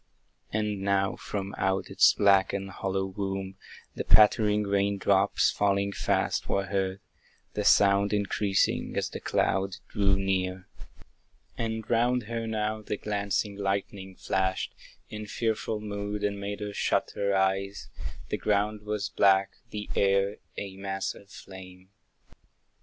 And now from out its black and hollow womb, The pattering rain drops, falling fast, were heard, The sound increasing as the cloud drew near. And round her now the glancing lightning flashed In fearful mood, and made her shut her eyes; The ground was black, the air a mass of flame.